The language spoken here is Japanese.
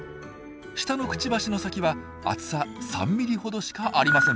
下のクチバシの先は厚さ３ｍｍほどしかありません。